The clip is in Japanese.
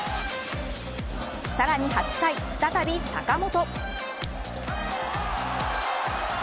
さらに８回、再び坂本。